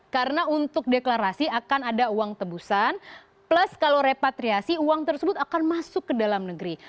karena untuk deklarasi akan ada uang tebusan plus kalau repatriasi uang tersebut akan masuk ke dalam negeri